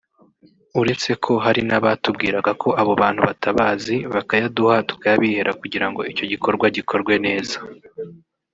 uretse ko hari n’abatubwiraga ko abo bantu batabazi bakayaduha tukayabihera kugira ngo icyo gikorwa gikorwe neza”